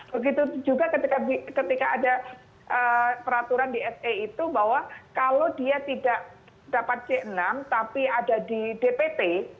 begitu juga ketika ada peraturan di se itu bahwa kalau dia tidak dapat c enam tapi ada di dpt